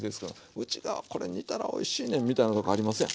内側これ煮たらおいしいねんみたいなとこありますやん。